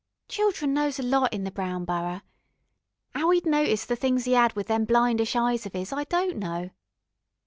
Children knows a lot in the Brown Borough. 'Ow 'e'd noticed the things 'e 'ad with them blindish eyes of 'is, I don't know.